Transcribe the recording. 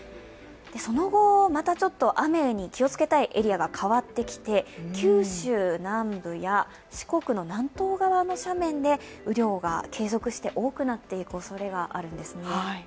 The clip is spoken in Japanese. その後また雨に気をつけたいエリアが変わってきて、九州南部や、四国の南東側の斜面で雨量が継続して多くなっていくおそれがあるんですね。